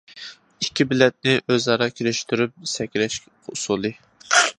ئىككى بىلەكنى ئۆزئارا كىرىشتۈرۈپ سەكرەش ئۇسۇلى.